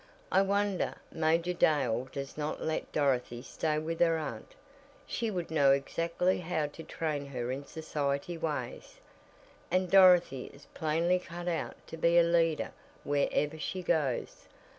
"I wonder Major Dale does not let Dorothy stay with her aunt; she would know exactly how to train her in society ways, and Dorothy is plainly cut out to be a leader where ever she goes.